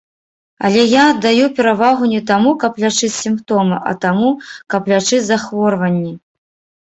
Але я аддаю перавагу не таму, каб лячыць сімптомы, а таму, каб лячыць захворванні.